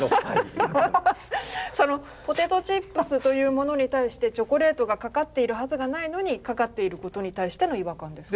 ポテトチップスというものに対してチョコレートがかかっているはずがないのにかかっていることに対しての違和感ですか？